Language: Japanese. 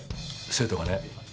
生徒がね